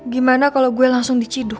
gimana kalau gue langsung diciduk